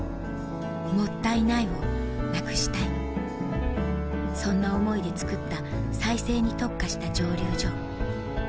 「もったいない」をなくしたいそんな思いで造った再生に特化した蒸留所